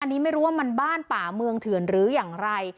อันนี้ไม่รู้ว่ามันบ้านป่าเมืองเถื่อนหรืออย่างไร